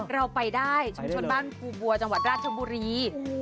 เราไปได้ชุมชนบ้านภูบัวจังหวัดราชบุรี